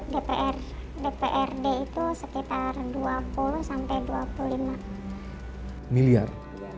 dprd itu sekitar dua puluh sampai dua puluh lima miliar